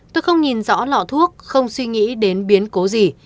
tôi không nhìn rõ lọ thuốc không suy nghĩ đến biến cố gì